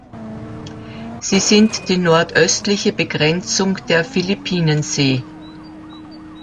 Sie sind die nordöstliche Begrenzung der Philippinensee.